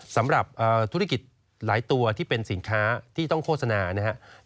สำหรับธุรกิจหลายตัวที่เป็นสินค้าที่ต้องโฆษณานะครับ